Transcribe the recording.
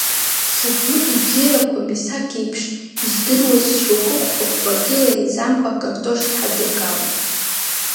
Сабду ибзиарақәа Мисақ иеиԥш издыруаз шьоукы хәба-хәба кьыла еиҵамкәа акартош ҳадыргалеит.